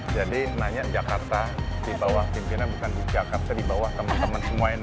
jadi nanya jakarta di bawah pimpinan bukan di jakarta di bawah teman teman semua ini